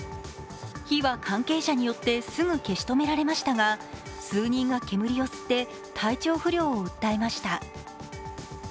火は関係者によってすぐ消し止められましたが数人が煙を吸って体調不良を訴えました。